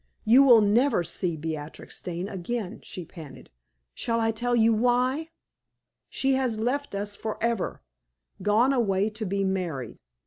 "You will never see Beatrix Dane again," she panted. "Shall I tell you why? She has left us forever gone away to be married.